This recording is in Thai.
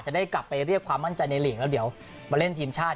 จะได้กลับไปเรียกความมั่นใจในหลีกแล้วเดี๋ยวมาเล่นทีมชาติ